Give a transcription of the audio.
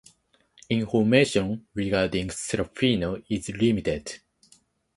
Information regarding Serafino is limited.